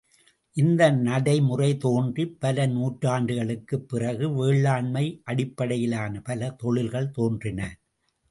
இந்த நடைமுறை தோன்றிப் பல நூற்றாண்டுகளுக்குப் பிறகு வேளாண்மை அடிப்படையிலான பல தொழில்கள் தோன்றின.